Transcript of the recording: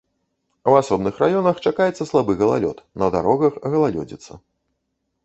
У асобных раёнах чакаецца слабы галалёд, на дарогах галалёдзіца.